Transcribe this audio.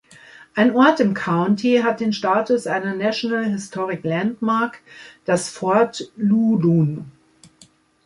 Ein Ort im County hat den Status einer National Historic Landmark, das Fort Loudoun.